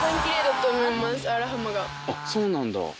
そうなんだ。